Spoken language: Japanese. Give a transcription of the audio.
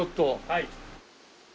はい。